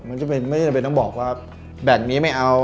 มันก็ไม่จำเป็นต้องบอกว่าแบบนี้ไม่เอา